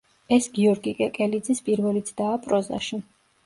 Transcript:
ეს გიორგი კეკელიძის პირველი ცდაა პროზაში.